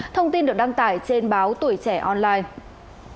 thông tin được đăng tải trên báo tuổi trẻ online